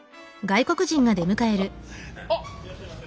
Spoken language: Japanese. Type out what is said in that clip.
いらっしゃいませ。